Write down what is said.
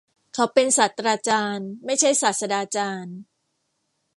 เขาเป็นศาสตราจารย์ ไม่ใช่ศาสดาจารย์